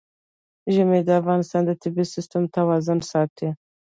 ژمی د افغانستان د طبعي سیسټم توازن ساتي.